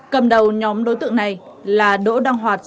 cầm đầu nhóm đối tượng này là đối tượng của hà nội